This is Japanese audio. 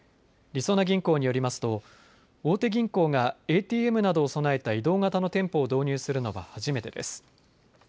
りそな銀行によりますと大手銀行がＡＴＭなどを備えた移動型の店舗を導入するのは初めてです。